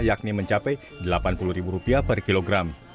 yakni mencapai rp delapan puluh per kilogram